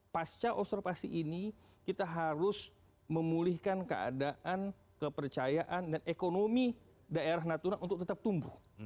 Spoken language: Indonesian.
pasca observasi ini kita harus memulihkan keadaan kepercayaan dan ekonomi daerah natuna untuk tetap tumbuh